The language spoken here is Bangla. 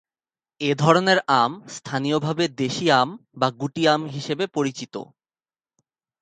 এ ধরনের আম স্থানীয়ভাবে দেশি আম বা গুটি আম হিসেবে পরিচিত।